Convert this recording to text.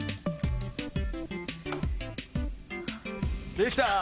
できた！